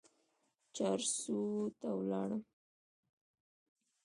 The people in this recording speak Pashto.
چارسو ته ولاړم.